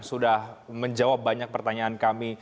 sudah menjawab banyak pertanyaan kami